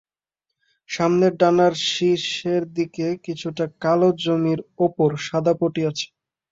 সামনের ডানার শীর্ষের দিকে কিছুটা কালো জমির ওপর সাদা পটি আছে।